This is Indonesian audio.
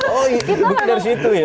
oh mungkin dari situ ya